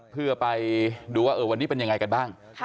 เพื่อไปดูว่าวันนี้เป็นยังไงกันบ้าง